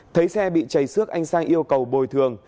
thấy xe bị chảy xước anh sang yêu cầu bồi thường